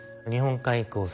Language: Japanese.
日本海溝